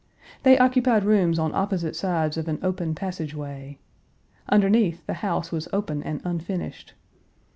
They occupied rooms on opposite sides of an open passage way. Underneath, the house was open and unfinished.